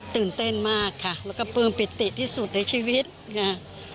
ตื่นเต้นมากค่ะแล้วก็ปลื้มปิติที่สุดในชีวิตค่ะ